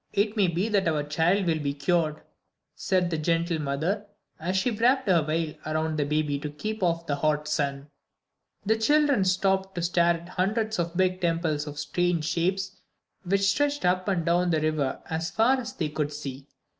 It may be that our child will be cured," said the gentle mother, as she wrapped her veil around the baby to keep off the hot sun. The children stopped to stare at the hundreds of big temples of strange shapes which stretched up and down the river back as far as they could see.